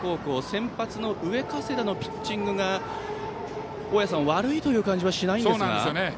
先発の上加世田のピッチングが悪いという感じはしないんですが。